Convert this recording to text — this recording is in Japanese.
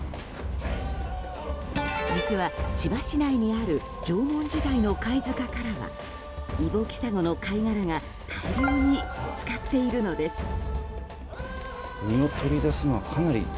実は、千葉市内にある縄文時代の貝塚からはイボキサゴの貝殻が大量に見つかっているのです。